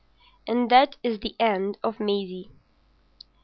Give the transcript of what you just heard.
And that is the end of Maisie.